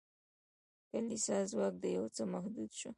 د کلیسا ځواک یو څه محدود شو.